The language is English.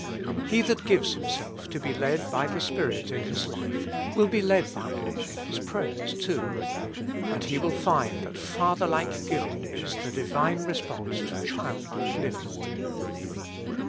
He that gives him self to be led by the Spirit in his life, will be led by Him in his prayers, too. And he will find that Fatherlike giving is the Divine response to childlike living.